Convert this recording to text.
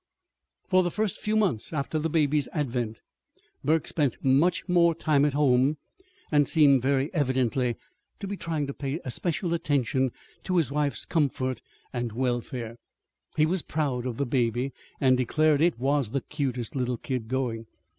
For the first few months after the baby's advent, Burke spent much more time at home, and seemed very evidently to be trying to pay especial attention to his wife's comfort and welfare. He was proud of the baby, and declared it was the cutest little kid going.